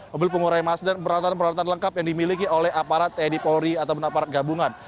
mobil pengurai mas dan peralatan peralatan lengkap yang dimiliki oleh aparat tni polri ataupun aparat gabungan